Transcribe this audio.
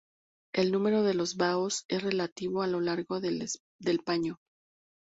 El número de los baos es relativo a lo largo del pañol.